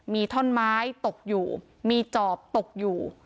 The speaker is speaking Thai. มีท่อนไม้ตกอยู่มีจอบตกอยู่